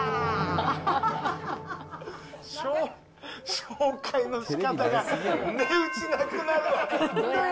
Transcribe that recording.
紹介のしかたが、値打ちなくなるわ。